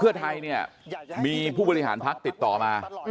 เพื่อไทยเนี่ยมีผู้บริหารพักติดต่อมา